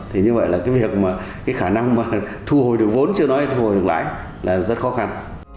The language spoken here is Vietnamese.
thì như vậy là cái việc mà cái khả năng mà thu hồi được vốn chưa nói thu hồi được lãi là rất khó khăn